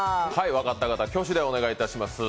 分かった方、挙手でお願いします。